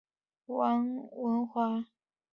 王文华就读台大外文系时受教于王文兴教授。